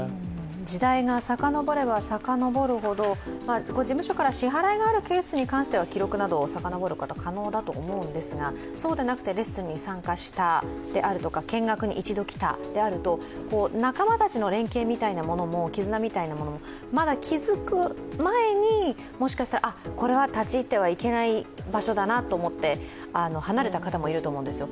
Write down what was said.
時代がさかのぼれはさかのぼるほど、事務所から支払いがあるケースに関しては記録などを遡ることが可能だと思うんですがそうではなくて、レッスンに参加したとか、見学に一度来たであると、仲間たちの連携、絆みたいなものもまだ築く前にもしかしたら、これは立ち入ってはいけない場所だなと思って離れた方もいたと思うんですよ。